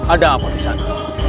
ada apa di sana